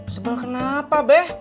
sebol kenapa beh